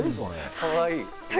かわいい。